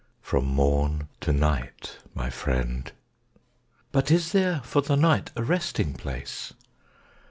From morn to night, my friend. But is there for the night a resting place?